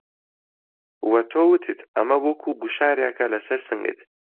وە تۆ وتت ئەمە وەکوو گوشارێکه لەسەر سنگت